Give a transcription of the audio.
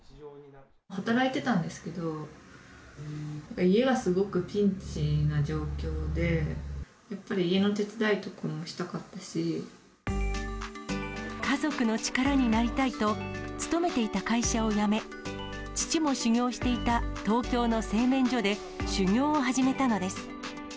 働いてたんですけど、家はすごくピンチな状況で、やっぱり家の手伝いとかもしたか家族の力になりたいと、勤めていた会社を辞め、父も修業していた東京の製麺所で修業を始めたのです。